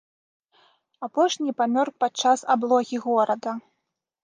Апошні памёр падчас аблогі горада.